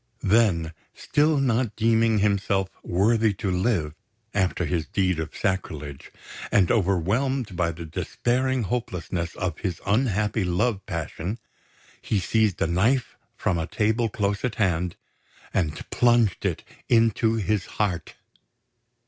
Then, still not deeming himself worthy to live after his deed of sacrilege, and overwhelmed by the despairing hopelessness of his unhappy love passion, he seized a knife from a table close at hand and plunged it into his heart.